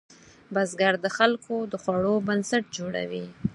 بزګر د خلکو د خوړو بنسټ جوړوي